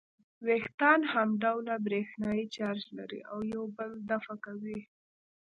وېښتان همډوله برېښنايي چارج لري او یو بل دفع کوي.